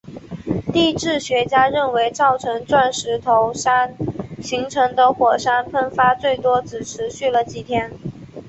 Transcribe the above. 地质学家认为造成钻石头山形成的火山喷发最多只持续了几天。